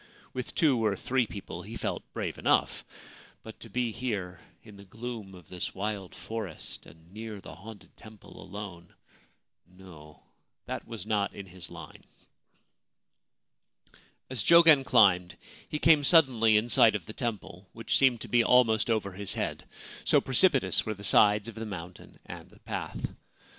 With two or three people he felt brave enough ; but to be here in the gloom of this wild forest and near the haunted temple alone — no : that was not in his line. As Jogen climbed he came suddenly in sight of the 39 Ancient Tales and Folklore of Japan temple, which seemed to be almost over his head, so precipitous were the sides of the mountain and the path.